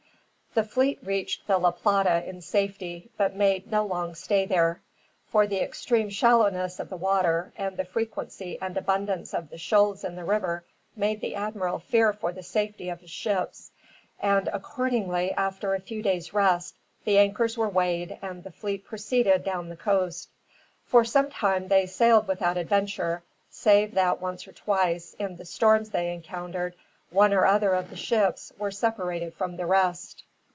The fleet reached the La Plata in safety, but made no long stay there; for the extreme shallowness of the water, and the frequency and abundance of the shoals in the river, made the admiral fear for the safety of his ships; and accordingly, after a few days' rest, the anchors were weighed and the fleet proceeded down the coast. For some time they sailed without adventure, save that once or twice, in the storms they encountered, one or other of the ships were separated from the rest.